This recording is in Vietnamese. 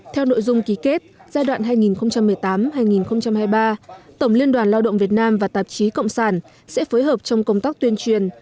theo nội dung ký kết giai đoạn hai nghìn một mươi tám hai nghìn hai mươi ba tổng liên đoàn lao động việt nam và tạp chí cộng sản sẽ phối hợp trong công tác tuyên truyền